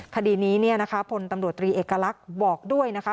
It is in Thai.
คดีนี้เนี่ยนะคะพลตำรวจตรีเอกลักษณ์บอกด้วยนะคะ